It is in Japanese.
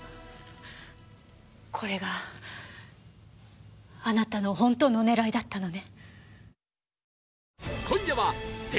これがあなたの本当の狙いだったのね？